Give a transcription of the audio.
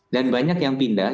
dan banyak yang pindah